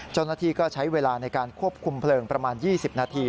เจ้าหน้าที่ก็ใช้เวลาในการควบคุมเพลิงประมาณ๒๐นาที